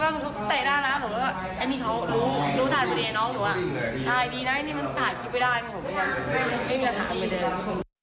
แล้วก็เตะหน้าหน้าผมขอเป็นนี่เขารู้ชาติอีกแนวน้องหนูอ่ะใช่ดีนะนี่มันต้านคิดไปได้ไม่ละถามไอ้เดิม